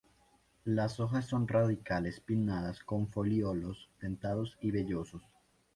Las hojas son radicales, pinnadas, con folíolos dentados y vellosos.